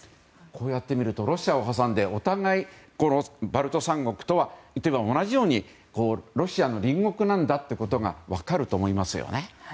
こうやって見るとロシアを挟んでお互いバルト三国とは言ってみれば、同じようにロシアの隣国なんだということが分かると思いますよね。